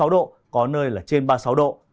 ba mươi ba ba mươi sáu độ có nơi là trên ba mươi sáu độ